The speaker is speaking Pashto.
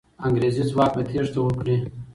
انګریزي ځواک به تېښته وکړي.